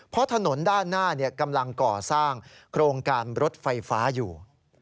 เพราะถนนด้านหน้ากำลังก่อสร้างโครงการรถไฟฟ้าอยู่